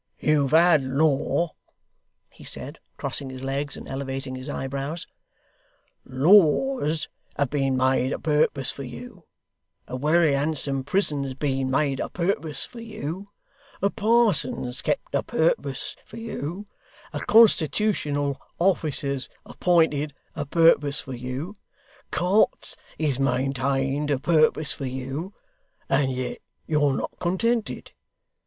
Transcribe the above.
'You've had law,' he said, crossing his legs and elevating his eyebrows: 'laws have been made a' purpose for you; a wery handsome prison's been made a' purpose for you; a parson's kept a purpose for you; a constitootional officer's appointed a' purpose for you; carts is maintained a' purpose for you and yet you're not contented!